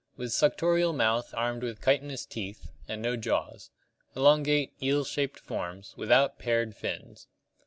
With suctorial mouth armed with chitinous tzeth, and no jaws. Elongate, eel shaped forms, without paired fins.